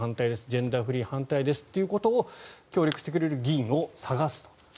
ジェンダーフリー反対ですと協力してくれる議員を探すと。